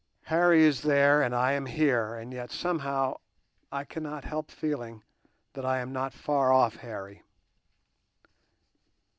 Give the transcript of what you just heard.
Harry is there and I am here, and yet somehow I cannot help feeling that I am not far off Harry.